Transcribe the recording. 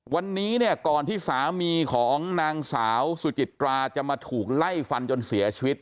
วันนี้เนี่ยก่อนที่สามีของนางสาวสุจิตราจะมาถูกไล่ฟันจนเสียชีวิต